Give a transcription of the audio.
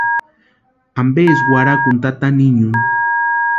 ¿Ampeski warhakuni tata niñuni?